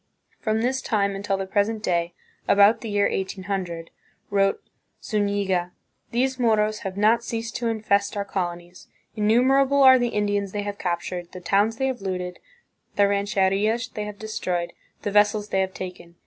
"From this time until the present day" (about the year 1800), wrote Zuiiiga, "these Moros have not ceased to infest our colonies; innumerable are the Indians they have captured, the towns they have looted, the rancherias they have destroyed, the vessels they have taken.